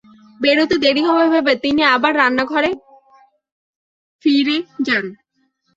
বেরুতে দেরি হবে ভেবে তিনি আবার ব্লান্নাঘরে ফিরে যান।